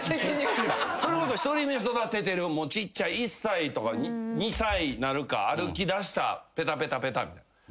それこそ１人目育ててるちっちゃい１歳とか２歳になるか歩きだしたぺたぺたぺたみたいな。